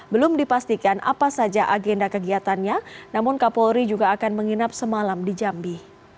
belum dipastikan apa saja agenda kegiatannya namun kapolri juga akan menginap semalam di jambi